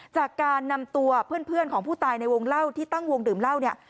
จากการนำตัวเพื่อนของผู้ตายในวงเล่าที่ตั้งวงดื่มเหล้าเนี่ย